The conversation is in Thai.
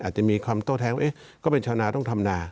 อาจจะมีคำโต้แท้งก็เป็นชาวนาต้องทำนา